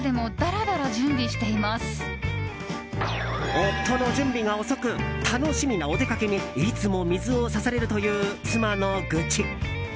夫の準備が遅く楽しみなお出かけにいつも水を差されるという妻の愚痴。